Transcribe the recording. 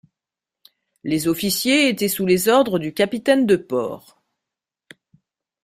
Les officiers étaient sous les ordres du capitaine de port.